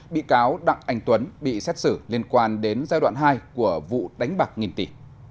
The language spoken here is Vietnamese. bị cáo đặng anh tuấn bị xét xử liên quan đến giai đoạn hai của vụ đánh bạc nghìn tỷ